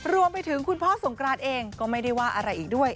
คุณพ่อสงกรานเองก็ไม่ได้ว่าอะไรอีกด้วย